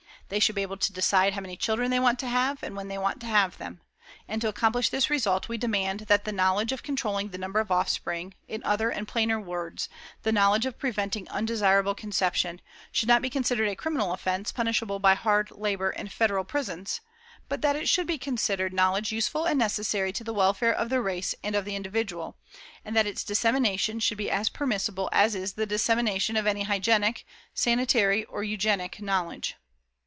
They should be able to decide how many children they want to have, and when they want to have them. And to accomplish this result we demand that the knowledge of controlling the number of offspring, in other and plainer words, the knowledge of preventing undesirable conception, should not be considered a criminal offence punishable by hard labor in Federal prisons, but that it should be considered knowledge useful and necessary to the welfare of the race and of the individual; and that its dissemination should be as permissible as is the dissemination of any hygienic, sanitary or eugenic knowledge."